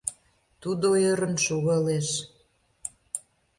Тудо ӧрын шогалеш.